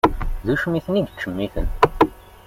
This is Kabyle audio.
D ucmiten i yettcemiten.